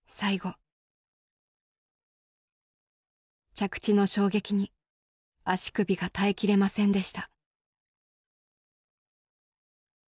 着地の衝撃に足首が耐えきれませんでした。